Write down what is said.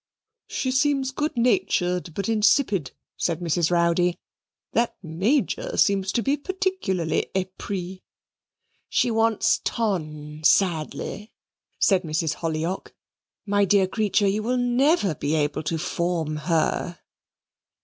"She seems good natured but insipid," said Mrs. Rowdy; "that Major seems to be particularly epris." "She wants ton sadly," said Mrs. Hollyock. "My dear creature, you never will be able to form her."